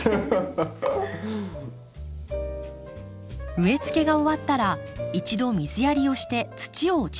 植え付けが終わったら一度水やりをして土を落ち着かせます。